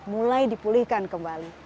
mulai dipulihkan kembali